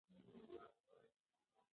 فورډ یو نوی ماډل وړاندې کړ.